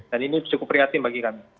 dan ini cukup prihatin bagi kami